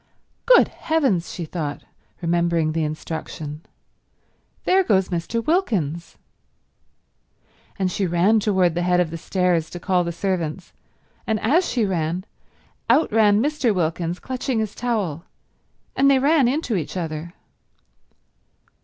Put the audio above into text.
"Good heavens," she thought, remembering the instruction, "there goes Mr. Wilkins!" And she ran toward the head of the stairs to call the servants, and as she ran, out ran Mr. Wilkins clutching his towel, and they ran into each other.